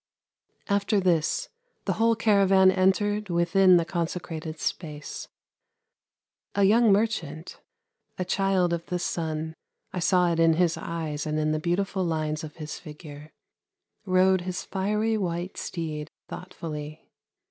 After this the whole caravan entered within the consecrated space. A young merchant, a child of the sun — I saw it in his eyes and in the beautiful lines of his figure — rode his fiery white steed thoughtfully.